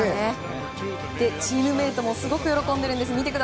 チームメートもすごく喜んでいるんです。